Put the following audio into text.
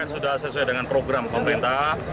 sudah sesuai dengan program pemerintah